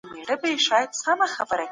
تاسو د نوموړي حق ډېر رعايت وکړئ.